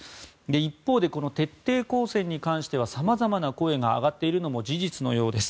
一方で、徹底抗戦に関しては様々な声が上がっているのも事実のようです。